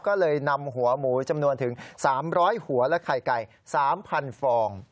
ก็เลยนำหัวหมูจำนวนถึง๓๐๐หัวและไข่ไก่๓๐๐ฟอง